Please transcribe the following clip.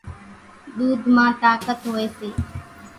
ۮوڌ مان طاقت هوئيَ سي۔